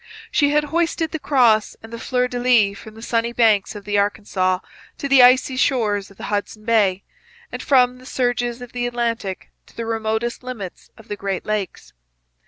She had hoisted the cross and the fleurs de lis from the sunny banks of the Arkansas to the icy shores of Hudson Bay, and from the surges of the Atlantic to the remotest limits of the Great Lakes.